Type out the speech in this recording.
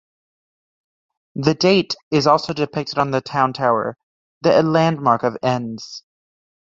The date is also depicted on the Town Tower, the landmark of Enns.